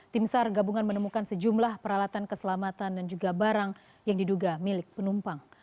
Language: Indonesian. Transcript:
tim sar gabungan menemukan sejumlah peralatan keselamatan dan juga barang yang diduga milik penumpang